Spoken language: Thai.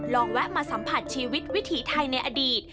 แวะมาสัมผัสชีวิตวิถีไทยในอดีต